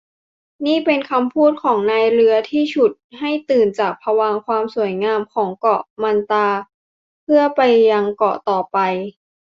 นี่เป็นคำพูดของนายเรือที่ฉุดให้ตื่นจากภวังค์ความสวยงามของเกาะมัตรา เพื่อไปยังเกาะต่อไป